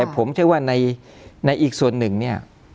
ผมเชื่อว่าในอีกส่วนหนึ่งเนี่ย